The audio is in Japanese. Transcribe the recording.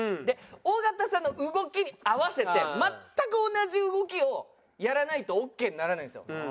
で尾形さんの動きに合わせて全く同じ動きをやらないとオッケーにならないんですよ。